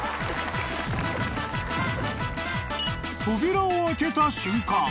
［扉を開けた瞬間］